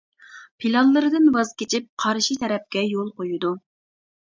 پىلانلىرىدىن ۋاز كېچىپ قارشى تەرەپكە يول قويىدۇ.